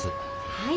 はい。